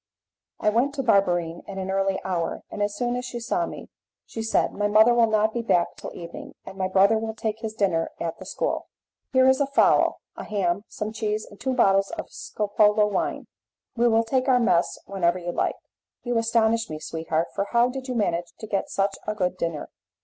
I went to Barberine at an early hour, and as soon as she saw me she said, "My mother will not be back till the evening, and my brother will take his dinner at the school. Here is a fowl, a ham, some cheese, and two bottles of Scopolo wine. We will take our mess whenever you like." "You astonish me, sweetheart, for how did you manage to get such a good dinner?"